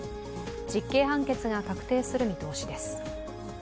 実刑判決が確定する見通しです。